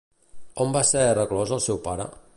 On va ser reclòs el seu pare?